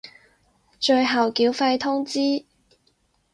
最後繳費通知